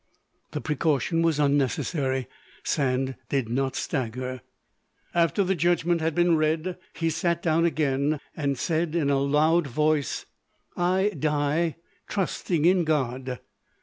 The precaution was unnecessary, Sand did not stagger. After the judgment had been read, he sat down again and said in a laud voice, "I die trusting in God."